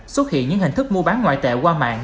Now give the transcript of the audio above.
xuất hiện những hình thức mua bán ngoại tệ qua mạng